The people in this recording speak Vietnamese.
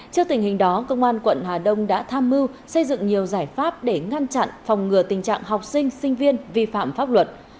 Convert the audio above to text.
trước tình hình đó công an quận hà đông đã tham mưu xây dựng nhiều giải pháp để ngăn chặn phòng ngừa tình trạng học sinh sinh viên vi phạm pháp luật